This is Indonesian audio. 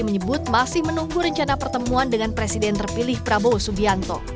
menyebut masih menunggu rencana pertemuan dengan presiden terpilih prabowo subianto